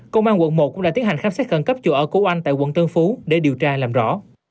công an quận một cũng đã tiến hành khám xét khẩn cấp chỗ ở của anh tại quận tân phú để điều tra làm rõ